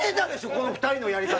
この２人のやり方！